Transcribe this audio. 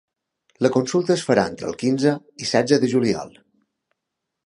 La consulta es farà entre el quinze i setze de juliol.